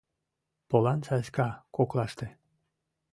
Полан саска коклаште.